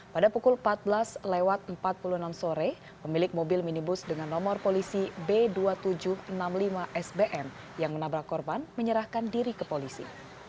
pada pukul empat belas lewat empat puluh enam sore pemilik mobil minibus dengan nomor polisi b dua ribu tujuh ratus enam puluh lima sbm yang menabrak korban menyerahkan diri ke polisi